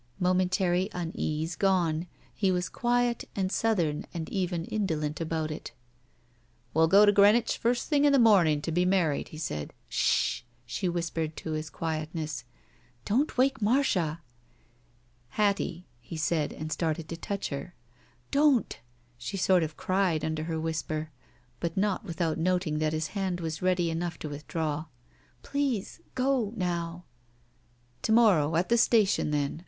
Momentary unease gone, he was quiet and Southern and even indolent about it. We*ll go to Greenwich first thing in the morning and be married,'' he said. "Sh h h!" she whispered to his quietness. "Don't wake Marcia." '^ "Hattie —" he said, and started to touch her. "Don't!" she sort of cried under her whisper, but not without noting that his hand was ready enough to withdraw. "Please — go — now —" "To morrow at the station, then.